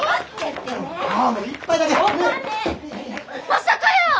まさかやー！